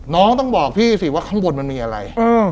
น้องต้องบอกพี่สิว่าข้างบนมันมีอะไร